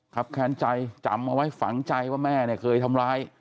แค้นใจจำเอาไว้ฝังใจว่าแม่เนี่ยเคยทำร้าย